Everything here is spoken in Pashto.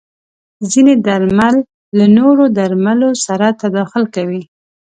ځینې درمل له نورو درملو سره تداخل کوي.